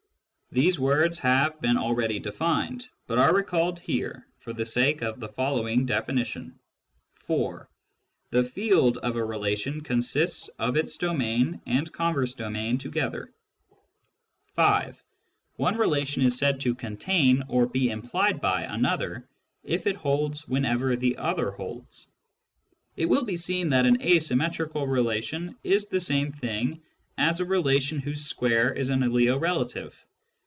These words have been already defined, but are recalled here for the sake of the following definition :— (4) Tut field of a relation consists of its domain and converse domain together. 1 This term is due to C. S. Peirce. The Definition of Order 33 (5) One relation is said to contain or be implied by another if it holds whenever the other holds. It will be seen that an asymmetrical relation is the same thing as a relation whose square is an aliorelative.